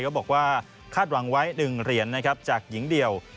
ก็บอกว่าคาดหวังไว้๑เหรียญนะครับจากหญิงเดียว